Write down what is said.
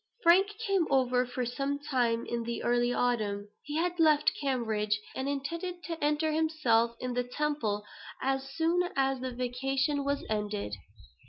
Frank came over for some time in the early autumn. He had left Cambridge, and intended to enter himself at the Temple as soon as the vacation was ended.